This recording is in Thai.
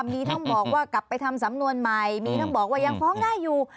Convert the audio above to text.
มีทั้งบอกว่ากลับไปทำสำนวนใหม่มีทั้งบอกว่ายังฟ้องได้อยู่